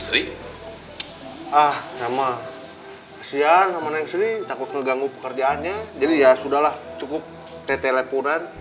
sri ah sama sian sama neng sri takut ngeganggu pekerjaannya jadi ya sudahlah cukup teleponan